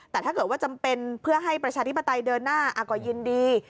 แต่ถ้าเกิดว่าจำเป็นเพื่อให้ประชาธิปไตยเดินหน้าก็ยินดี